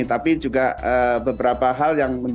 tapi juga beberapa hal yang menjangkut isu isu yang berkembang